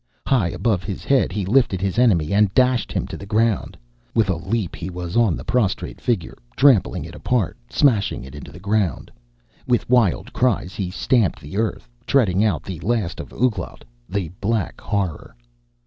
High above his head he lifted his enemy and dashed him to the ground. With a leap he was on the prostrate figure, trampling it apart, smashing it into the ground. With wild cries he stamped the earth, treading out the last of Ouglat, the Black Horror.